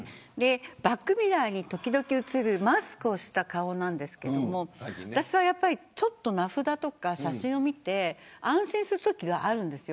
バックミラーに時々映るマスクをした顔ですが私はやっぱり名札とか写真を見て安心するときがあるんです。